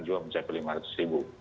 juga mencapai lima ratus